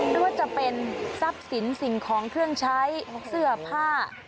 ไม่ว่าจะเป็นทรัพย์สินสิ่งของเครื่องใช้เสื้อผ้า